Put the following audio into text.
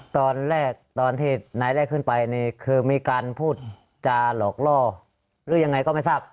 ตอนแรกตอนที่นายแรกขึ้นไปนี่คือมีการพูดจาหลอกล่อหรือยังไงก็ไม่ทราบ